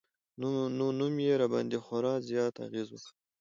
نو نوم يې راباندې خوړا زيات اغېز وکړ